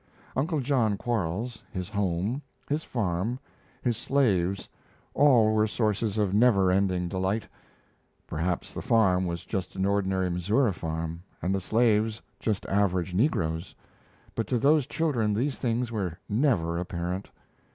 Uncle John Quarles, his home, his farm, his slaves, all were sources of never ending delight. Perhaps the farm was just an ordinary Missouri farm and the slaves just average negroes, but to those children these things were never apparent.